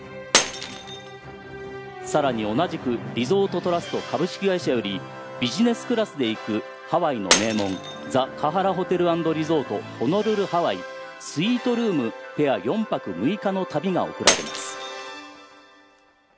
さらに、同じくリゾートトラスト株式会社よりビジネスクラスで行くハワイの名門「ザ・カハラ・ホテル＆リゾートホノルル・ハワイ」スイートルームペア４泊６日の旅が贈られます。